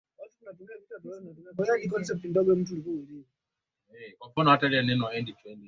wa hewa na kutaja malengo na viwango vya kitaifa na kuchunguza